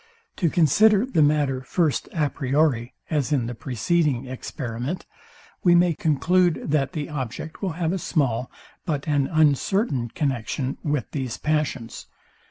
To consider the matter first a priori, as in the preceding experiment; we may conclude, that the object will have a small, but an uncertain connexion with these passions.